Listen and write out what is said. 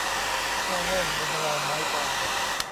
ผ้าแห้งบนราวไม้บาง